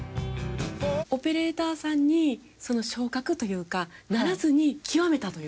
オペレーターさんに昇格というかならずに極めたという？